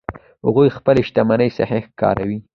هغوی خپلې شتمنۍ صحیح کاروي